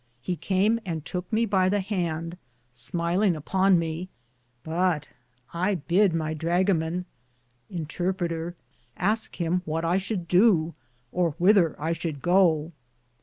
He came and touke me by the hande, smyHnge upon me ; but I bid my drugaman aske him what I should dow, or whither I shoulde goo.